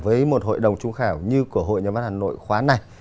với một hội đồng trung khảo như của hội nhà văn hội khoán này